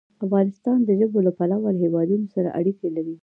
افغانستان د ژبو له پلوه له هېوادونو سره اړیکې لري.